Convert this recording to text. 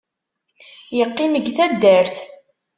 Yeqqim g taddart.